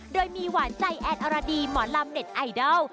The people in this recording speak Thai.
โดยมีหวานใจแอนอรดีหมอลำเน็ตไอดอล